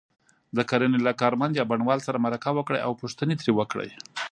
د کرنې له کارمند یا بڼوال سره مرکه وکړئ او پوښتنې ترې وکړئ.